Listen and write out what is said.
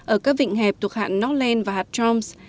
ở các vịnh hẹp thuộc hạng northland và hattroms